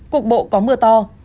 cũng có mưa to